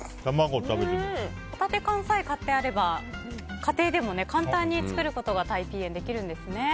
ホタテ缶さえ買ってあれば家庭でも簡単に作ることがタイピーエン、できるんですね。